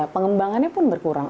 pengembangannya pun berkurang